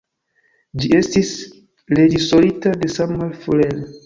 Ĝi estis reĝisorita de Samuel Fuller.